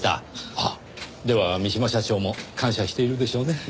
あっでは三島社長も感謝しているでしょうね。